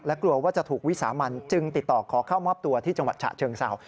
กลัวว่าจะถูกวิสามันจึงติดต่อขอเข้ามอบตัวที่จังหวัดฉะเชิงเศร้า